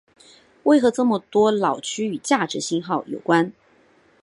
为何这么多脑区与价值信号有关。